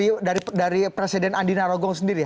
ada lihat dari presiden andina rogong sendiri